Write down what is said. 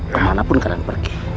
kemana pun kalian pergi